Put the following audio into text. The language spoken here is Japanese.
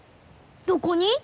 どこに？